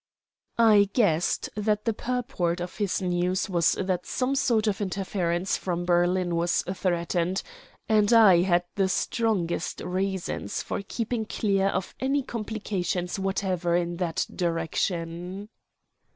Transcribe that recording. I guessed that the purport of his news was that some sort of interference from Berlin was threatened, and I had the strongest reasons for keeping clear of any complications whatever in that direction.